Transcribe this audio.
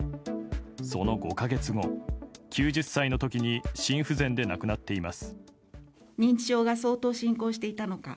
その５か月後、９０歳の時に心不全で亡くなっています。